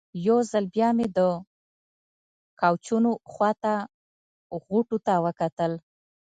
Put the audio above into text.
یو ځل بیا مې د کوچونو خوا ته غوټو ته وکتل.